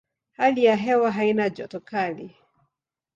Hali ya hewa haina joto kali.